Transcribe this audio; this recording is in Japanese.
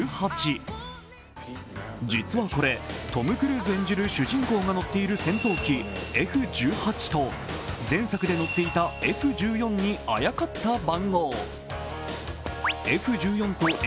実はこれ、トム・クルーズ演じる主人公が乗っている戦闘機Ｆ１８と前作で乗っていたＦ１４にあやかった番号。